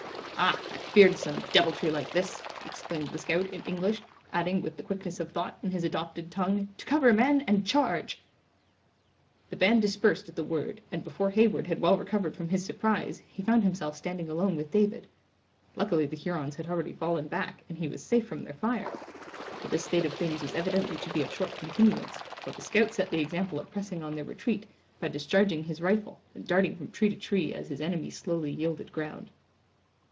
"Ah, I feared some deviltry like this!" exclaimed the scout, in English, adding, with the quickness of thought, in his adopted tongue: "To cover, men, and charge!" The band dispersed at the word, and before Heyward had well recovered from his surprise, he found himself standing alone with David. Luckily the Hurons had already fallen back, and he was safe from their fire. But this state of things was evidently to be of short continuance; for the scout set the example of pressing on their retreat, by discharging his rifle, and darting from tree to tree as his enemy slowly yielded ground.